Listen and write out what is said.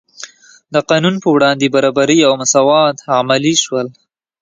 د قانون په وړاندې برابري او مساوات عملي شول.